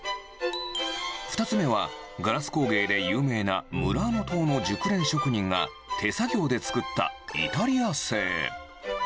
２つ目は、ガラス工芸で有名なムラーノ島の熟練職人が手作業で作ったイタリア製。